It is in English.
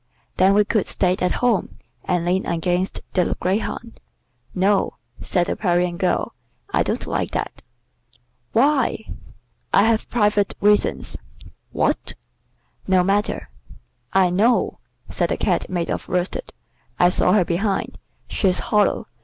"Then we could stay at home, and lean against the greyhound." "No," said the Parian girl, "I don't like that." "Why?" "I have private reasons." "What?" "No matter." "I know," said the Cat made of worsted. "I saw her behind. She's hollow.